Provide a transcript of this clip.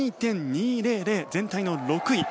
全体の６位。